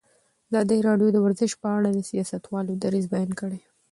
ازادي راډیو د ورزش په اړه د سیاستوالو دریځ بیان کړی.